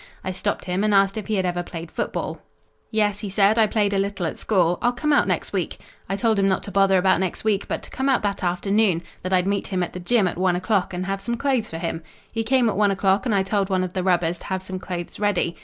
I stopped him and asked if he had ever played football. "'Yes,' he said, 'I played a little at school. I'll come out next week.' I told him not to bother about next week, but to come out that afternoon that I'd meet him at the gym' at one o'clock and have some clothes for him. He came at one o'clock and I told one of the rubbers to have some clothes ready.